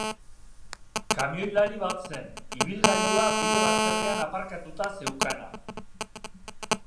Kamioilari bat zen, ibilgailua bide bazterrean aparkatuta zeukana.